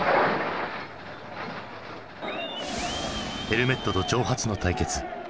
ヘルメットと長髪の対決。